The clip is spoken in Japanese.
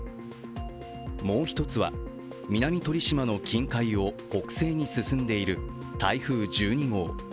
もう一つは南鳥島の近海を北西に進んでいる台風１２号。